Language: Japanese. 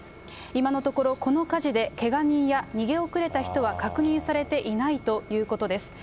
今のところ、この火事でけが人や逃げ遅れた人は確認されていないということです。